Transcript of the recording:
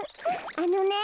あのね。